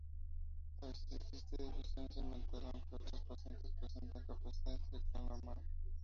A veces existe deficiencia mental, aunque otros pacientes presentan capacidad intelectual normal.